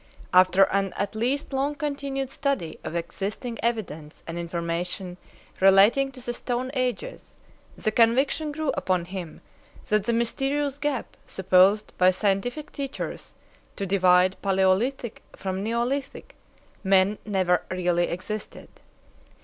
After an at least long continued study of existing evidence and information relating to the Stone Ages, the conviction grew upon him that the mysterious gap supposed by scientific teachers to divide Paleolithic from Neolithic man never really existed.